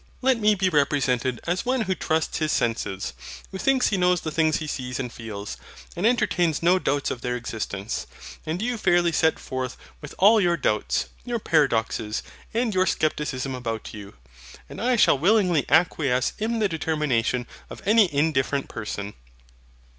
Let me be represented as one who trusts his senses, who thinks he knows the things he sees and feels, and entertains no doubts of their existence; and you fairly set forth with all your doubts, your paradoxes, and your scepticism about you, and I shall willingly acquiesce in the determination of any indifferent person.